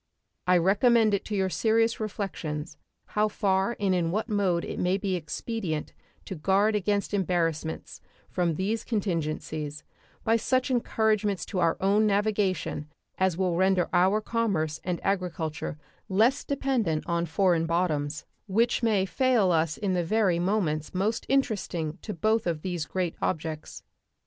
I recommend it to your serious reflections how far and in what mode it may be expedient to guard against embarrassments from these contingencies by such encouragements to our own navigation as will render our commerce and agriculture less dependent on foreign bottoms, which may fail us in the very moments most interesting to both of these great objects.